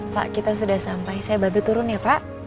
pak kita sudah sampai saya bantu turun ya pak